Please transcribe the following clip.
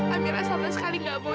amirah sama sekali gak mau